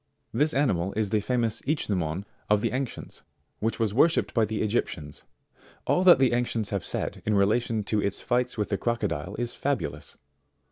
This animal is the famous Ichneumon of the ancients, which was worshipped by the Egyptians All that the ancients have said in relation to its fights with the crocodile is fabulous.